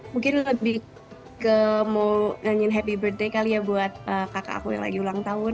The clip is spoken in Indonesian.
mungkin lebih ke mau nyanyiin happy birt day kali ya buat kakak aku yang lagi ulang tahun